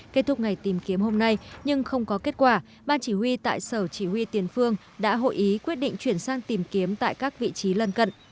kết thúc ngày tìm kiếm hôm nay nhưng không có kết quả ban chỉ huy tại sở chỉ huy tiền phương đã hội ý quyết định chuyển sang tìm kiếm tại các vị trí lần cận